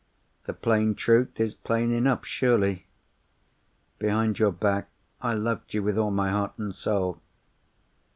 The plain truth is plain enough, surely? Behind your back, I loved you with all my heart and soul.